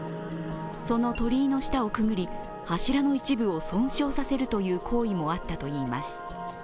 その鳥居の下をくぐり、柱の一部を損傷させるという行為もあったといいます。